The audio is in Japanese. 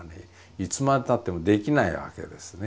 いつまでたってもできないわけですね。